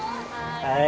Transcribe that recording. はい。